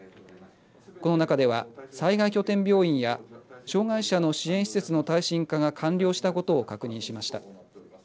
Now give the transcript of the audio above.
この中では災害拠点病院や障害者の支援施設の耐震化が完了したことを確認しました。